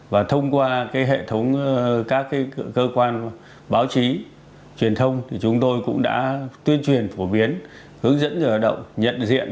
và thông qua các cơ quan báo chí truyền thông chúng tôi cũng đã tuyên truyền phổ biến hướng dẫn người lao động nhận diện